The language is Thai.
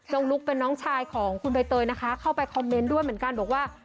นุ๊กเป็นน้องชายของคุณใบเตยนะคะเข้าไปคอมเมนต์ด้วยเหมือนกันบอกว่า